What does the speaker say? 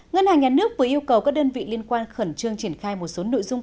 ngân hàng nhà nước vừa yêu cầu các đơn vị liên quan khẩn trương triển khai một số nội dung